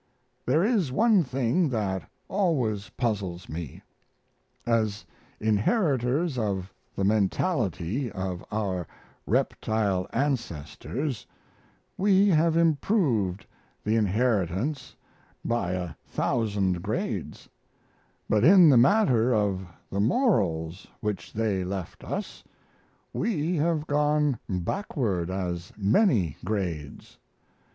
There is one thing that always puzzles me: as inheritors of the mentality of our reptile ancestors we have improved the inheritance by a thousand grades; but in the matter of the morals which they left us we have gone backward as many grades.